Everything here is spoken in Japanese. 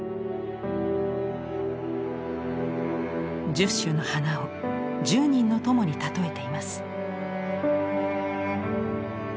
１０種の花を１０人の友に例えています。